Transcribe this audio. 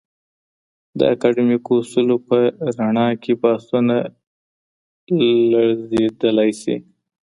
د اکاډمیکو اصولو په رڼا کي بحثونه لړزیدلی سي.